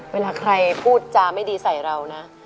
เวลาใครพูดจาไม่ดีใส่เรานะ